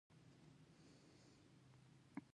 بله معامله د حیواناتو برخلیک و.